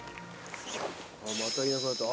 またいなくなった。